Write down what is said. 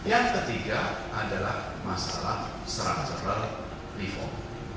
yang ketiga adalah masalah structural reform